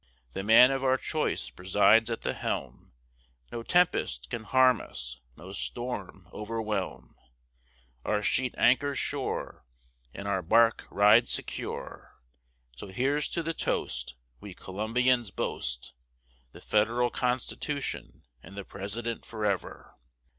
The man of our choice presides at the helm; No tempest can harm us, no storm overwhelm; Our sheet anchor's sure, And our bark rides secure; So here's to the toast We Columbians boast The Federal Constitution and the President forever.